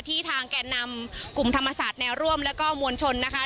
ทางแก่นำกลุ่มธรรมศาสตร์แนวร่วมแล้วก็มวลชนนะคะ